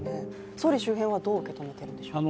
総理周辺はどう受け止めてるんでしょうか。